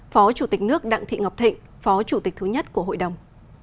phó chủ tịch nước đặng thị ngọc thịnh phó chủ tịch thứ nhất của hội đồng